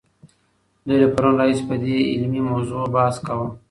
دوی له پرون راهیسې په دې علمي موضوع بحث کاوه.